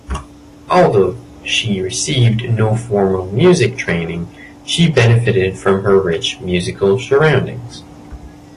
Although she received no formal musical training, she benefited from her rich musical surroundings.